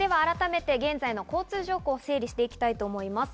改めて、現在の交通情報を整理していきます。